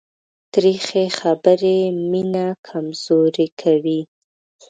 تریخې خبرې مینه کمزورې کوي.